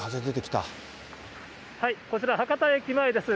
こちら、博多駅前です。